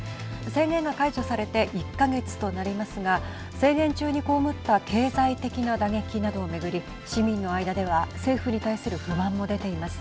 制限が解除されて１か月となりますが制限中に被った経済的な打撃などを巡り市民の間では政府に対する不満も出ています。